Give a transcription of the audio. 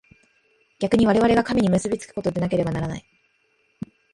逆に我々が神に結び附くことでなければならない。